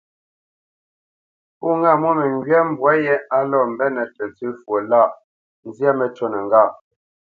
Pó ŋâ mwô məŋgywa mbwǎ yé á lɔ́ mbenə́ tə ntsə fwo lâʼ, zyâ məcûnə ŋgâ.